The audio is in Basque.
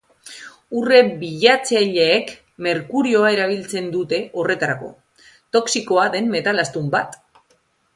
Urre-bilatzaileek merkurioa erabiltzen dute horretarako, toxikoa den metal astun bat.